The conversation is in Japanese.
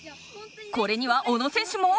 これには小野選手も。